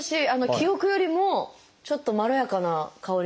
記憶よりもちょっとまろやかな香りですね。